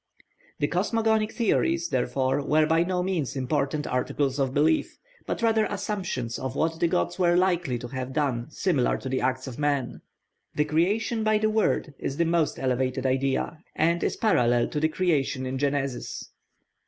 The cosmogonic theories, therefore, were by no means important articles of belief, but rather assumptions of what the gods were likely to have done similar to the acts of men. The creation by the word is the most elevated idea, and is parallel to the creation in Genesis.